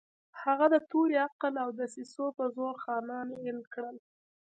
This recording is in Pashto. هغه د تورې، عقل او دسیسو په زور خانان اېل کړل.